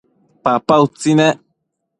papa utsi nec